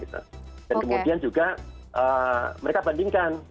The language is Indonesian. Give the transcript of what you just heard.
dan kemudian juga mereka bandingkan